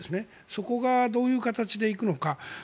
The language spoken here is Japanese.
そこがどういう形で行くのか。